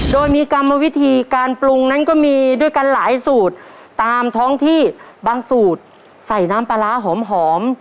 โดยมีกรรมวิธีการปรุงนั้นก็มีด้วยกันหลายสูตรตามท้องที่บางสูตรใส่น้ำปลาร้าหอม